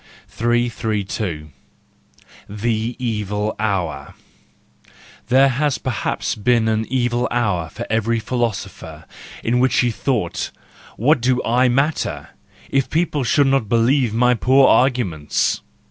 332 . The Evil Hour. —There has perhaps been an evil hour for every philosopher, in which he thought: What do I matter, if people should not believe my poor arguments!